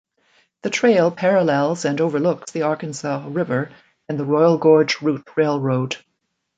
The trail parallels and overlooks the Arkansas River and the Royal Gorge Route Railroad.